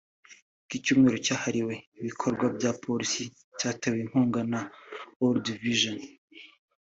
Iki cyumweru cyahariwe ibikorwa bya Polisi cyatewe inkunga na World Vision